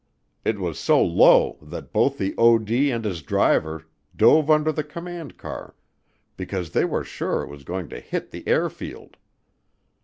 It was so low that both the OD and his driver dove under the command car because they were sure it was going to hit the airfield.